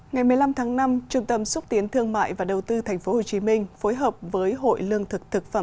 ngày một mươi năm tháng năm trung tâm xúc tiến thương mại và đầu tư tp hcm phối hợp với hội lương thực thực phẩm